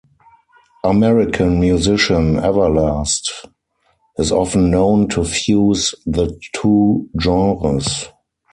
American musician Everlast is often known to fuse the two genres.